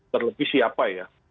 terlebih siapa ya